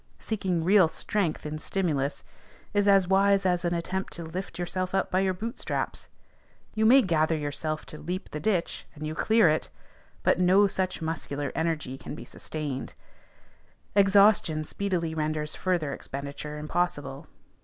Seeking real strength in stimulus is as wise as an attempt to lift yourself up by your boot straps. You may gather yourself to leap the ditch, and you clear it; but no such muscular energy can be sustained: exhaustion speedily renders further expenditure impossible.